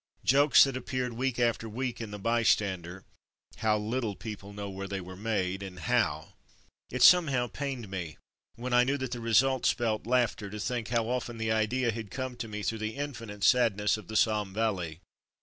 " Jokes that ap peared week after week in the Bystander — how little people know where they were made, and how! It somehow pained me — when I knew that the result spelt laughter — to think how often the idea had come to me through the infinite sadness of the Somme How '* Fragments " Are Evolved 1 1 5 valley.